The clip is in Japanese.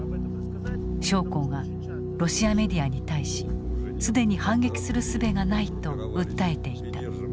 将校がロシアメディアに対し既に反撃するすべがないと訴えていた。